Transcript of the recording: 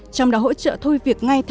trong đó hỗ trợ thôi việc ngay theo